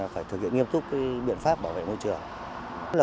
phải thực hiện nghiêm túc biện pháp bảo vệ môi trường